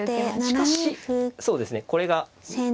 しかしそうですねこれが。